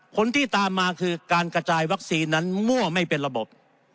ผลที่ตามมาคือการกระจายวัคซีนนั้นมั่วไม่เป็นระบบ